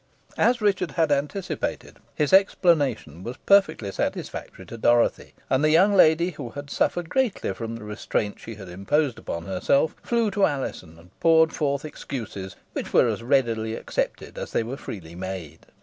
As Richard had anticipated, his explanation was perfectly satisfactory to Dorothy; and the young lady, who had suffered greatly from the restraint she had imposed upon herself, flew to Alizon, and poured forth excuses, which were as readily accepted as they were freely made.